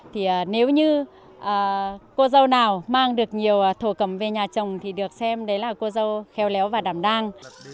thì nếu như cô dâu nào mang được nhiều thổ cầm về nhà chồng thì được xem đấy là cô dâu khéo léo và đảm đang